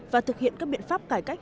và thực hiện các biện pháp cải cách